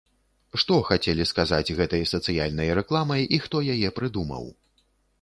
Што хацелі сказаць гэтай сацыяльнай рэкламай і хто яе прыдумаў?